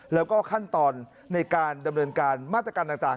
แล้วก็ขั้นตอนในการดำเนินการมาตรการต่าง